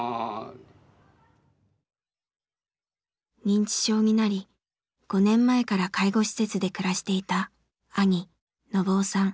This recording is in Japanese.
認知症になり５年前から介護施設で暮らしていた兄信雄さん。